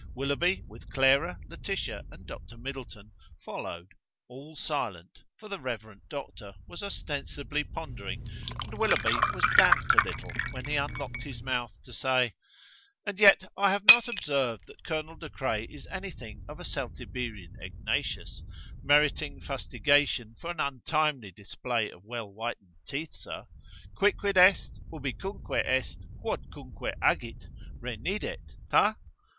Willoughby, with Clara, Laetitia, and Dr. Middleton, followed, all silent, for the Rev. Doctor was ostensibly pondering; and Willoughby was damped a little when he unlocked his mouth to say: "And yet I have not observed that Colonel de Craye is anything of a Celtiberian Egnatius meriting fustigation for an untimely display of well whitened teeth, sir: 'quicquid est, ubicunque est, quodcunque agit, renidet:': ha?